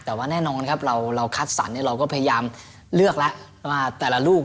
แต่ว่าแน่นอนครับเราคัดสรรเราก็พยายามเลือกแล้วว่าแต่ละลูก